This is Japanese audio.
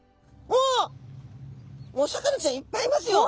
お魚ちゃんいっぱいいますよ！